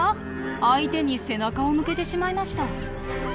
相手に背中を向けてしまいました。